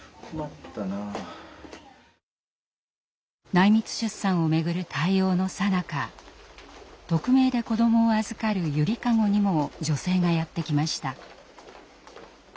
内密出産を巡る対応のさなか匿名で子どもを預かる「ゆりかご」にも女性がやって来ました。